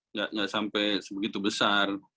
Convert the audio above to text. nggak sampai begitu besar